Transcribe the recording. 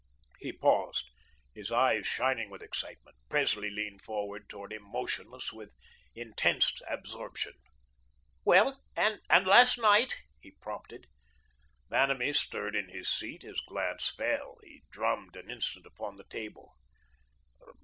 He paused, his eyes shining with excitement. Presley leaned forward toward him, motionless with intense absorption. "Well and last night," he prompted. Vanamee stirred in his seat, his glance fell, he drummed an instant upon the table.